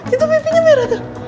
itu pipinya merah tuh